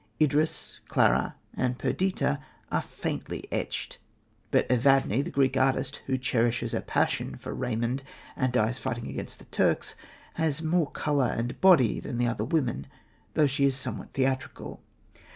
Idris, Clara and Perdita are faintly etched, but Evadne, the Greek artist, who cherishes a passion for Raymond, and dies fighting against the Turks, has more colour and body than the other women, though she is somewhat theatrical.